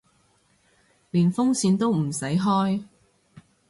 連風扇都唔使開